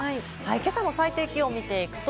今朝の最低気温を見ていきます。